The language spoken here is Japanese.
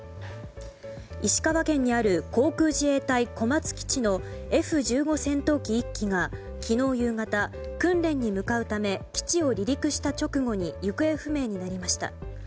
石川県にある航空自衛隊小松基地のＦ１５戦闘機１機が昨日夕方訓練に向かうため基地を離陸した直後に行方不明になりました。